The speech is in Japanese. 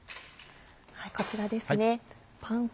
こちらですね。